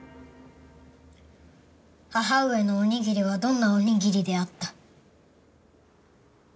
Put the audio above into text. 母上のおにぎりはどんなおにぎりであった？